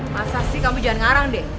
masa sih kamu jangan ngarang deh